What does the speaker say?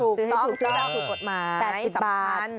ถูกต้องซื้อรับจุดกฎหมาย๘๐บาท